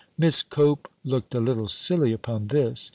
(Miss Cope looked a little silly upon this.)